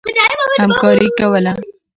همکاري کوله.